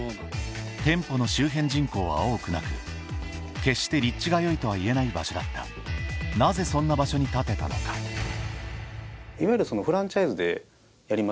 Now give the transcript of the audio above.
店舗の周辺人口は多くなく決して立地が良いとはいえない場所だったなぜそんな場所に建てたのかその中で。